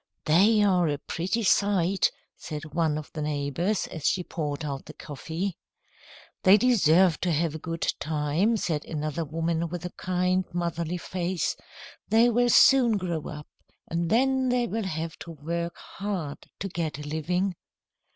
"They are a pretty sight," said one of the neighbours, as she poured out the coffee. "They deserve to have a good time," said another woman with a kind, motherly face. "They will soon grow up, and then they will have to work hard to get a living."